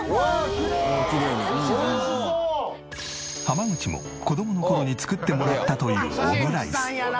濱口も子どもの頃に作ってもらったというオムライス。